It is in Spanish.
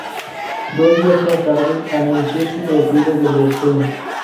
Dos días más tarde, anunció su retiro del boxeo.